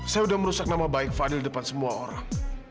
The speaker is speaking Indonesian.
saya udah merusak nama baik fadil depan semua orang